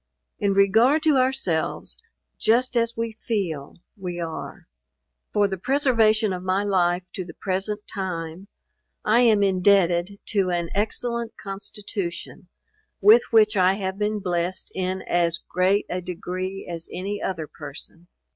In regard to ourselves, just as we feel, we are. For the preservation of my life to the present time I am indebted to an excellent constitution, with which I have been blessed in as great a degree as any other person.